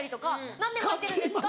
何でまいてるんですか？